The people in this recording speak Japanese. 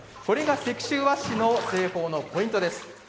これが石州和紙の製法のポイントです。